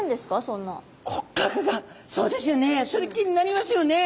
そうですよねそれ気になりますよね。